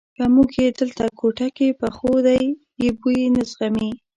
که موږ یې دلته کوټه کې پخو دی یې بوی نه زغمي.